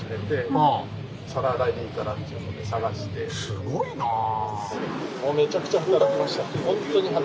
すごいなあ。